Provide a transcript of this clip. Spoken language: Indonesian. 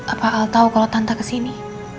apa al tahu kalau tante kesini